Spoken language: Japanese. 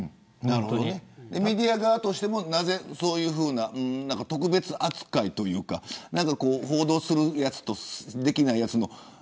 メディア側としてもなぜ、そういう特別扱いというか報道するやつとできないやつの。